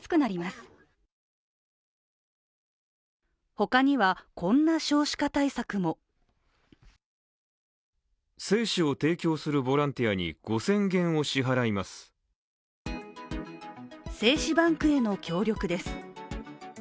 他には、こんな少子化対策も。精子バンクへの協力です。